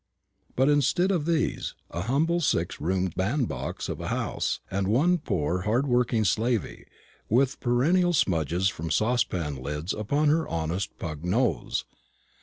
but instead of these, a humble six roomed bandbox of a house, and one poor hardworking slavey, with perennial smudges from saucepan lids upon her honest pug nose.